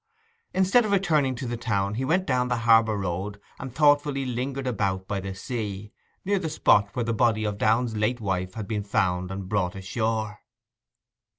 Instead of returning into the town, he went down the harbour road and thoughtfully lingered about by the sea, near the spot where the body of Downe's late wife had been found and brought ashore.